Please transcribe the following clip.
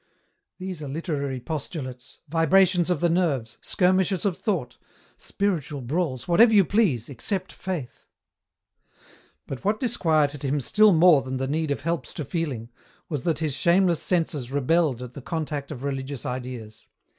These are literary postulates, vibrations of the nerves, skirmishes of thought, spiritual brawls, whatever you please, except Faith." But what disquieted him still more than the need of helps to feeling, was that his shameless senses rebelled at the contact of religious ideas.